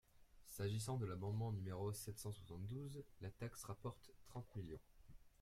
S’agissant de l’amendement numéro sept cent soixante-douze, la taxe rapporte trente millions.